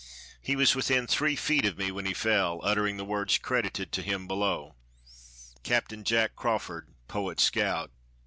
He was within three feet of me when he fell, uttering the words credited to him below. Capt. JACK CRAWFORD, Poet Scout.